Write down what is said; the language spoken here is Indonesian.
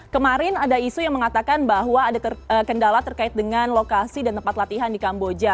kemarin ada isu yang mengatakan bahwa ada kendala terkait dengan lokasi dan tempat latihan di kamboja